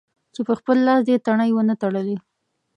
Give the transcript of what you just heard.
چې په خپل لاس دې تڼۍ و نه تړلې.